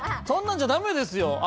そんなんじゃダメですよ！